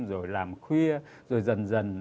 rồi làm khuya rồi dần dần